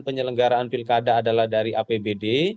penyelenggaraan pilkada adalah dari apbd